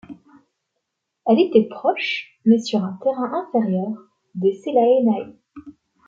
Elle était proche, mais sur un terrain inférieur, de Celaenae.